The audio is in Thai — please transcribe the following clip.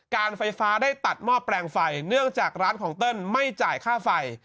การไฟฟ้าได้ตัดหม้อแปลงไฟเนื่องจากร้านของเติ้ลไม่จ่ายค่าไฟ